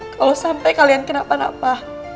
kalau sampai kalian kenapa napa